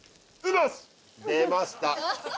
出ました！